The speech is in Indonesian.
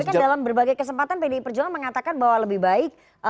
tapi kan dalam berbagai kesempatan pdi perjuangan mengatakan bahwa lebih baik